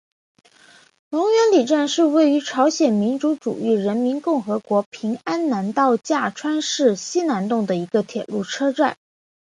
龙源里站是位于朝鲜民主主义人民共和国平安南道价川市西南洞的一个铁路车站。